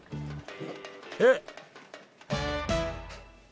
えっ！